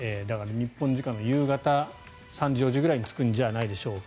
日本時間の夕方３時４時ぐらいに着くんじゃないでしょうか。